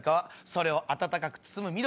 それを暖かく包む緑！